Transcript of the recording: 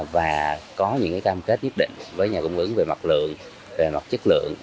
và có những cam kết nhất định với nhà cung ứng về mặt lượng về mặt chất lượng